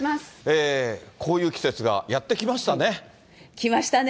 こういう季節がやって来まし来ましたね。